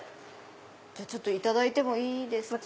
じゃあいただいてもいいですか？